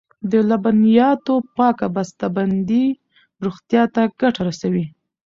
د لبنیاتو پاکه بسته بندي روغتیا ته ګټه رسوي.